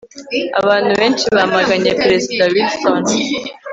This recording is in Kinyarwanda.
abantu benshi bamaganye perezida wilson